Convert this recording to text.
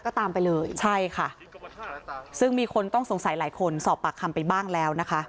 ก็ตามไปเลยใช่ค่ะซึ่งมีคนต้องสงสัยหลายคนสอบปากคำไปบ้างแล้วนะคะ